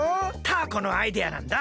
タアコのアイデアなんだ。